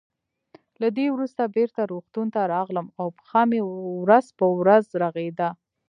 له دې وروسته بېرته روغتون ته راغلم او پښه مې ورځ په ورځ رغېده.